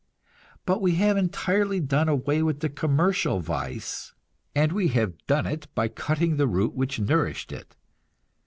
But we have entirely done away with commercial vice, and we have done it by cutting the root which nourished it.